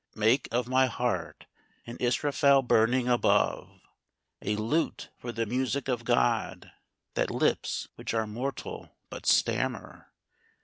Make of my heart an Israfel burning above, A lute for the music of God, that lips, which are mortal, but stammer!